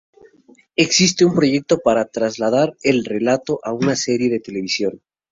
Existe un proyecto para trasladar el relato a una serie de televisión.